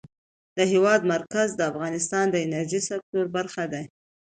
د هېواد مرکز د افغانستان د انرژۍ سکتور برخه ده.